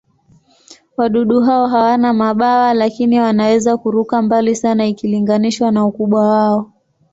Wadudu hao hawana mabawa, lakini wanaweza kuruka mbali sana ikilinganishwa na ukubwa wao.